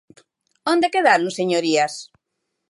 ¿Onde quedaron, señorías?